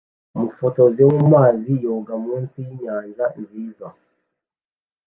Umufotozi wo mumazi yoga munsi yinyanja nziza